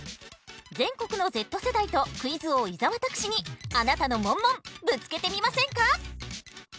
全国のＺ世代とクイズ王伊沢拓司にあなたのモンモンぶつけてみませんか？